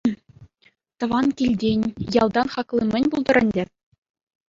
Тӑван килтен, ялтан хакли мӗн пултӑр ӗнтӗ.